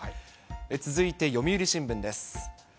続いて読売新聞です。